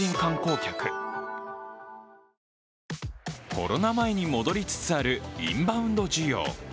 コロナ前に戻りつつあるインバウンド需要。